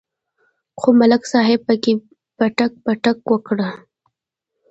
خو ملک صاحب پکې پټک پټک وکړ.